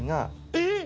⁉えっ